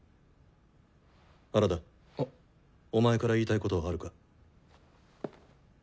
原田お前から言いたいことはあるか？